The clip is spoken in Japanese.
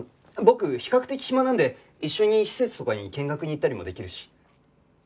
僕比較的暇なんで一緒に施設とかに見学に行ったりもできるし。